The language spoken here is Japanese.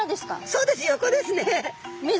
そうです横ですね。